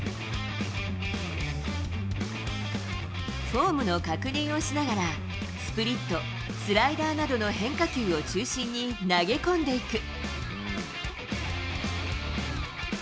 フォームの確認をしながら、スプリット、スライダーなどの変化球を中心に投げ込んでいく。